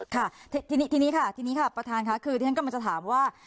ค่ะทีนี้ค่ะทีนี้ค่ะประธานค่ะคือที่ฉันกำลังจะถามว่า